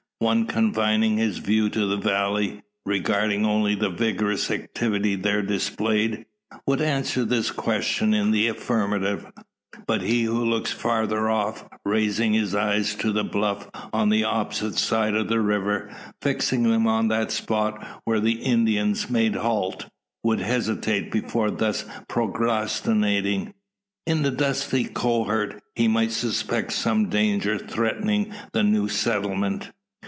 One confining his view to the valley regarding only the vigorous activity there displayed would answer this question in the affirmative. But he who looks farther off raising his eyes to the bluff on the opposite side of the river, fixing them on that spot where the Indians made halt would hesitate before thus prognosticating. In the dusky cohort he might suspect some danger threatening the new settlement.